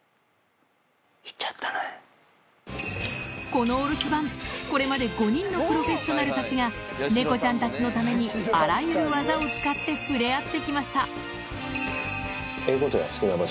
このお留守番これまで５人のプロフェッショナルたちが猫ちゃんたちのためにあらゆる技を使って触れ合ってきました